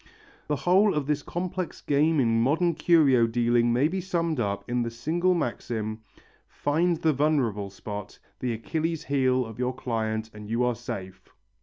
The whole of this complex game in modern curio dealing may be summed up in the single maxim: "Find the vulnerable spot, the Achilles' heel of your client, and you are safe."